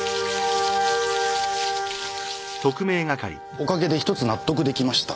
おかげで１つ納得出来ました。